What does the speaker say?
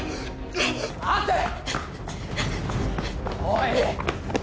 おい！